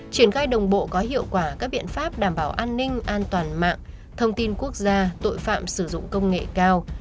triển khai đồng bộ có hiệu quả các biện pháp đảm bảo an ninh an toàn mạng thông tin quốc gia tội phạm sử dụng công nghệ cao